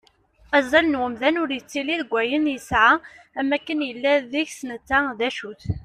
Azal n umdan ur yettili deg ayen yesεa am akken yella deg-s netta d acu-t.